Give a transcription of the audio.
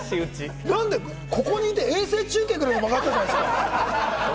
ここにいて衛星中継くらいの間があったじゃないですか！